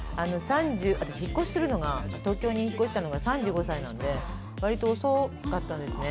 私、引っ越しするのが、東京に引っ越したのが３５歳なので、わりと遅かったんですね。